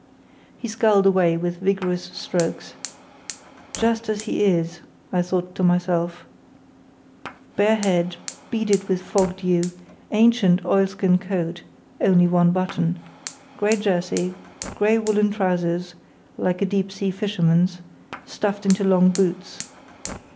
He sculled away with vigorous strokes. "Just as he is," I thought to myself: bare head, beaded with fog dew, ancient oilskin coat (only one button); grey jersey; grey woollen trousers (like a deep sea fisherman's) stuffed into long boots.